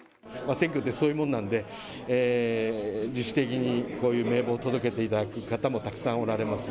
選挙というのはそういうものなんで、自主的にこういう名簿を届けていただく方もたくさんおられます。